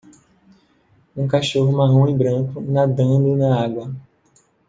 um cachorro marrom e branco nadando na água